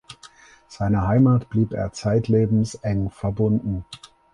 Seiner Heimat blieb er zeitlebens eng verbunden.